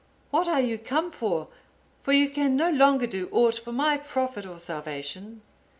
What are you come for? for you can no longer do aught for my profit or salvation."